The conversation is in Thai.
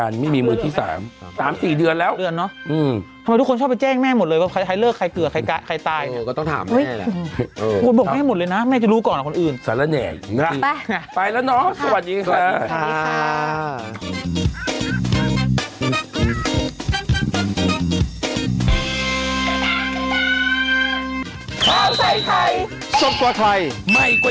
แล้วทุกคนชอบไปแจ้งแม่หมดเลยว่าใครเลิกใครเกลือใครตายเนี่ยเออก็ต้องถามแม่แหละบอกแม่หมดเลยนะแม่จะรู้ก่อนหรอคนอื่นสารแหน่งไปแล้วน้องสวัสดีค่ะสวัสดีค่ะ